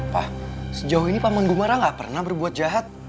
pak sejauh ini pak manggumara gak pernah berbuat jahat